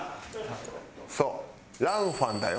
そうランファンだよ。